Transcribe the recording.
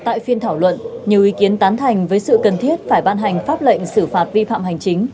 tại phiên thảo luận nhiều ý kiến tán thành với sự cần thiết phải ban hành pháp lệnh xử phạt vi phạm hành chính